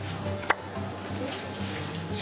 １。